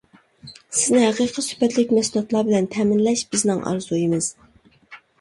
سىزنى ھەقىقىي سۈپەتلىك مەھسۇلاتلار بىلەن تەمىنلەش بىزنىڭ ئارزۇيىمىز!